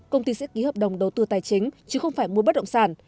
công ty sẽ ký hợp đồng đầu tư tài chính chứ không phải mua bất động sản